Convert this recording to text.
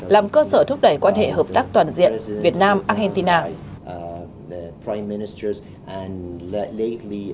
làm cơ sở thúc đẩy quan hệ hợp tác toàn diện việt nam argentina